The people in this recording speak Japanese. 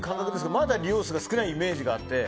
まだ利用者数が少ないイメージがあって。